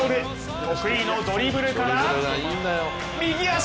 得意のドリブルから右足！